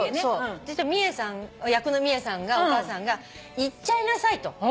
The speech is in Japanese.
そしたら役のミエさんがお母さんが言っちゃいなさいと。